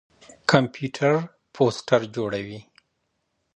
کمپيوټر پوسټر جوړوي.